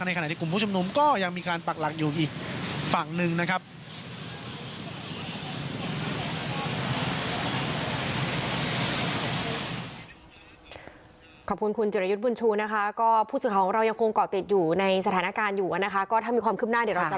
ขณะที่กลุ่มผู้ชุมนุมก็ยังมีการปักหลักอยู่อีกฝั่งหนึ่งนะครับ